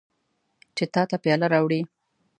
چې تا ته پیاله راوړي.